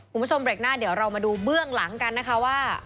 คุณผู้ชมเบรกหน้าเดี๋ยวเรามาดูเบื้องหลังกันนะคะว่า